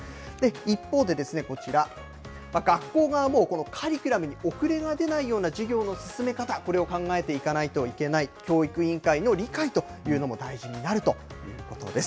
一方で、こちら、学校側もカリキュラムに遅れが出ないような授業の進め方、これを考えていかないといけない、教育委員会の理解というのも大事になるということです。